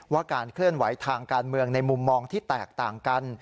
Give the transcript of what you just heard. การเคลื่อนไหวทางการเมืองในมุมมองที่แตกต่างกัน